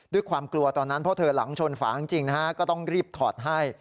ด้วยความกลัวตอนนั้นเพราะเธอหลังชนฝาจริงนะฮะก็ต้องรีบถอดให้